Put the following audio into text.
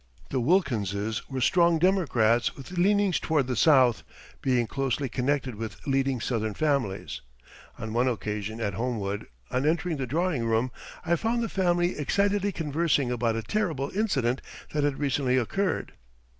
The Wilkinses were strong Democrats with leanings toward the South, being closely connected with leading Southern families. On one occasion at Homewood, on entering the drawing room, I found the family excitedly conversing about a terrible incident that had recently occurred.